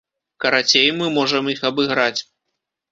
Карацей, мы можам іх абыграць.